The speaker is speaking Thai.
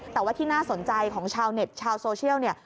แต่ว่าที่น่าสนใจของชาวเน็ตชาวโซเชียลเนี่ย